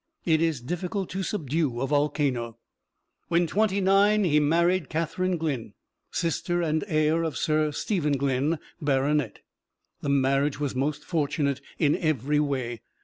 It is difficult to subdue a volcano. When twenty nine, he married Catherine Glynne, sister and heir of Sir Stephen Glynne, Baronet. The marriage was most fortunate in every way.